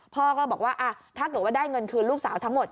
พ่อก็บอกว่าถ้าเกิดว่าได้เงินคืนลูกสาวทั้งหมด